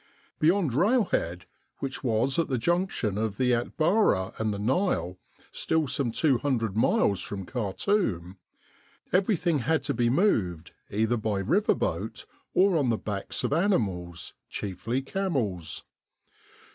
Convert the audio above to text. Beyond railhead, which was at the junction of the Atbara and the Nile, still some 200 miles from Khartoum, everything had to be moved either by river boat or on the backs of animals, chiefly camels.